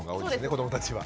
子どもたちは。